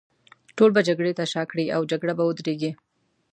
ټول به جګړې ته شا کړي، او جګړه به ودرېږي.